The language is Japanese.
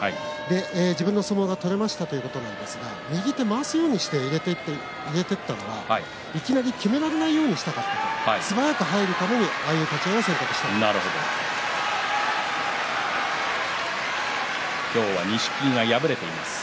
自分の相撲が取れましたということなんですが右手を回すように入れていったのはいきなりきめられないようにしたかった素早く入るためにああいう立ち合いのしかたをしたと話していました。